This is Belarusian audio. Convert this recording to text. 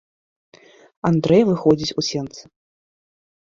Андрэй выходзіць у сенцы.